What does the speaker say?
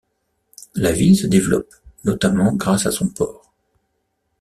La ville se développe, notamment grâce à son port.